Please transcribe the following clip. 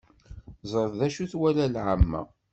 Ẓret acu twala lεamma.